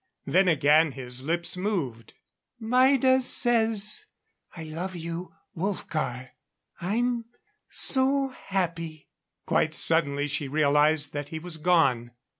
Then again his lips moved. "Maida says 'I love you, Wolfgar' ... I'm so happy...." Quite suddenly she realized that he was gone.